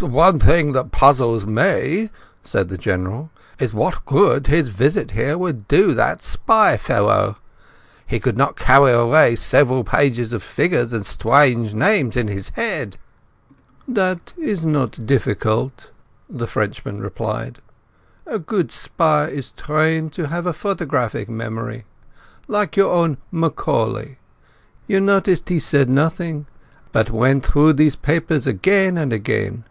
"The one thing that puzzles me," said the General, "is what good his visit here would do that spy fellow? He could not carry away several pages of figures and strange names in his head." "That is not difficult," the Frenchman replied. "A good spy is trained to have a photographic memory. Like your own Macaulay. You noticed he said nothing, but went through these papers again and again.